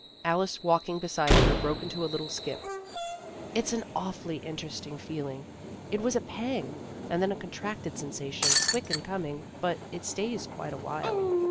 Alice, walking beside her, broke into a little skip. " It 's an awfully interesting feeling. It was a pang and then a con tracted sensation quick in coming, but it stays quite a while."